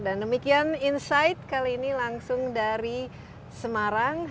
dan demikian insight kali ini langsung dari semarang